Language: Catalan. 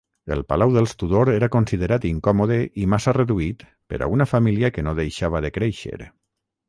El palau dels Tudor era considerat incòmode i massa reduït per a una família que no deixava de créixer.